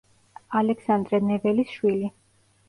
ალექსანდრე ნეველის შვილი.